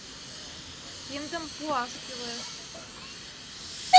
Киндым пуаш кӱлеш...